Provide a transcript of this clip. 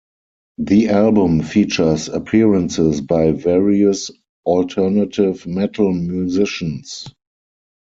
The album features appearances by various alternative metal musicians.